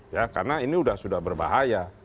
ya karena ini sudah berbahaya